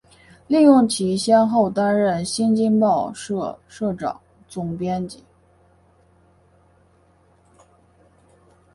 利用其先后担任新京报社社长、总编辑